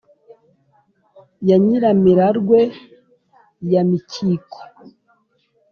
ya nyiramirarwe ya mikiko